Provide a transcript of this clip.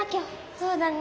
そうだね。